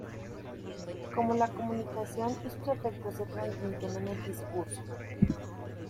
Cómo la comunicación y sus efectos se transmiten en el discurso.